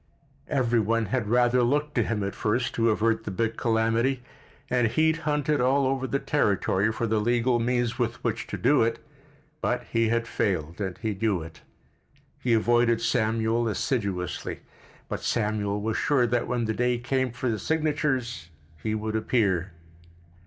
Every one had rather looked to him at first to avert the big calamity, and he had hunted all over the territory for the legal means with which to do it, but he had failed, and he knew it. He avoided Samuel assiduously, but Samuel was sure that when the day came for the signatures he would appear.